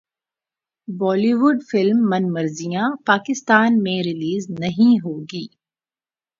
بولی would film Man Marziyan Pakistan میں release نہیں ہوگی